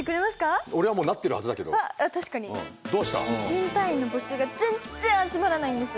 新隊員の募集が全然集まらないんです。